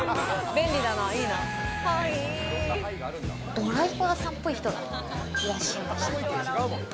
ドライバーさんっぽい人がいらっしゃいました。